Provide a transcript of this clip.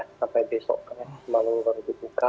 sampai besok malam baru dibuka